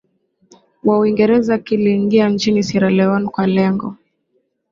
wa Uingereza kiliingia nchini Sierra Leon kwa lengo